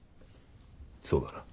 そうだな。